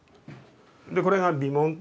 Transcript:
でこれが鼻紋って。